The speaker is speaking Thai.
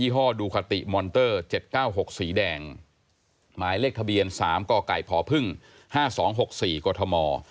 หมายเลขทะเบียน๓กกพ๕๒๖๔กม